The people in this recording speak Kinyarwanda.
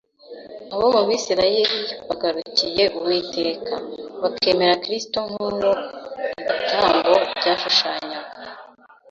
Abo mu Bisirayeli bagarukiye Uwiteka, bakemera Kristo nk’uwo ibitambo byashushanyaga,